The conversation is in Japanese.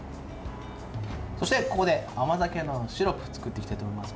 そしてここで甘酒のシロップを作っていきたいと思います。